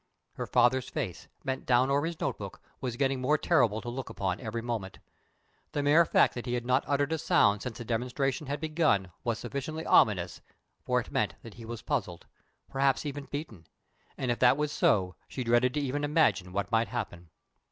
Her father's face, bent down over his note book, was getting more terrible to look upon every moment. The mere fact that he had not uttered a sound since the demonstrations had begun was sufficiently ominous, for it meant that he was puzzled perhaps even beaten and if that was so, she dreaded to even imagine what might happen.